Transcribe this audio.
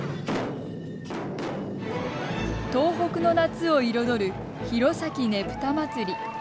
東北の夏を彩る弘前ねぷたまつり。